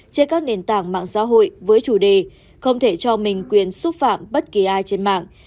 trên các nền tảng mạng xã hội với chủ đề không thể cho mình quyền xúc phạm bất kỳ ai trên mạng